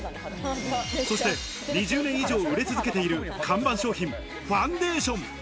そして２０年以上売れ続けている看板商品、ファンデーション。